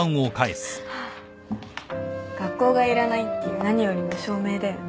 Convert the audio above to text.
学校がいらないっていう何よりの証明だよね。